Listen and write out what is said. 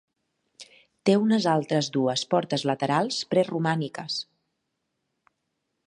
Té unes altres dues portes laterals preromàniques.